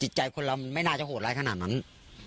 ใจคนเราไม่น่าจะโหดร้ายขนาดนั้น